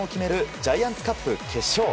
ジャイアンツカップ決勝。